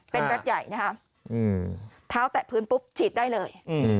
เป็นรถใหญ่นะคะเท้าแตะพื้นปุ๊บฉีดได้เลย